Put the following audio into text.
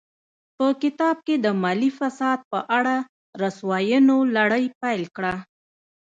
په کتاب کې د مالي فساد په اړه رسواینو لړۍ پیل کړه.